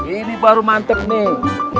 ini baru mantep nih